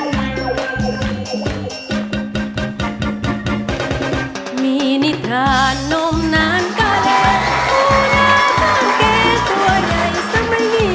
มูลได้ทั้งแก่ตัวใหญ่สมัยนี้